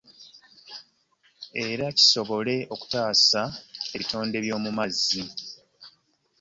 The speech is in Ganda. Era kisobole okutaasa ebitonde by'omu mazzi